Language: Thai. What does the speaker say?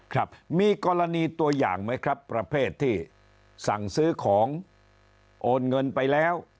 ครับมีกรณีตัวอย่างไหมครับประเภทที่สั่งซื้อของโอนเงินไปแล้ว